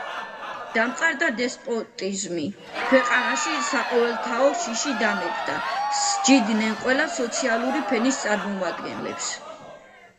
დამყარდა დესპოტიზმი, ქვეყანაში საყოველთაო შიში გამეფდა, სჯიდნენ ყველა სოციალური ფენის წარმომადგენლებს.